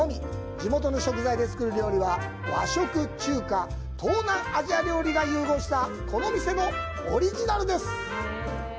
地元の食材で作る料理は、和食、中華、東南アジア料理が融合した、この店のオリジナルです。